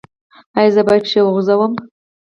ایا زه باید پښې وغځوم؟